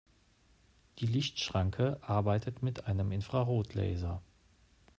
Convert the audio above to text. Die Lichtschranke arbeitet mit einem Infrarotlaser.